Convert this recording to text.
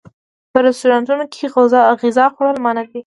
په رسټورانټونو کې غذا خوړل منع و.